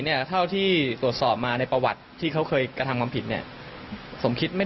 เนี่ยเท่าที่ตรวจสอบมาในประวัติที่เขาเคยกระทำความผิดเนี่ยสมคิดไม่